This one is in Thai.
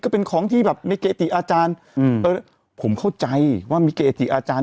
ก็เป็นของที่แบบในเกติอาจารย์อืมเออผมเข้าใจว่ามีเกจิอาจารย์